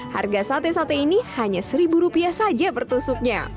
harga sate sate ini hanya seribu rupiah saja bertusuknya